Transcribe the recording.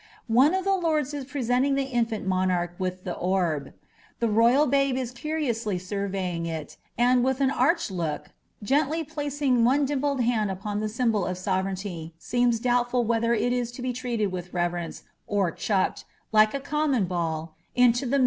One of the lords is presenting the infant monarch with the orb. The royal babe is curiously surveying it, and, with an arch look, gently placing one dimpled hand upon the symbol of sovereignty, seeois doubtful whether it is to be treated with reverence, or chucked, like a * Monstrelct.